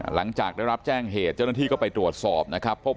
หลังจากได้รับแจ้งเหตุเจ้าหน้าที่ก็ไปตรวจสอบนะครับ